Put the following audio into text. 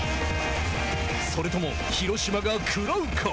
それとも広島が食らうか。